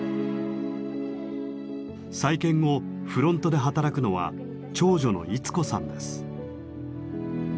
再建後フロントで働くのは長女の以津子さんです。